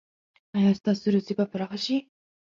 ایا ستاسو روزي به پراخه شي؟